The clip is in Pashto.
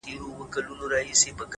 د داســي زيـري انـتــظـار كـومــه.